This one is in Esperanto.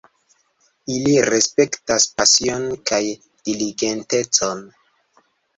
Ili respektas pasion kaj diligentecon